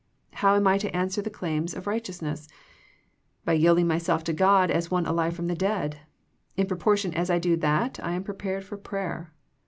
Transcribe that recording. How am I to answer the claims of righteousness ? By yielding myself to God as one alive from the dead. In proportion as I do ^ that I am prepared for prayer.